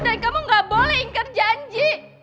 dan kamu gak boleh ingkar janji